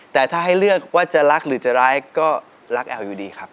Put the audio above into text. แต่ถ้าให้เลือกว่าจะรักหรือจะร้ายก็รักแอ๋วอยู่ดีครับ